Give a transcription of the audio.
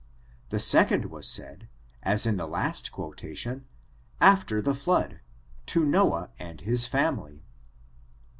The second was said, as in the last quotation, after the fk>od^ to Noah and his family.